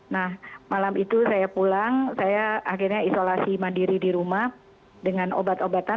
nah malam itu saya pulang saya akhirnya isolasi mandiri di rumah dengan obat obatan